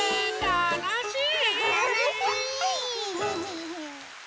たのしい！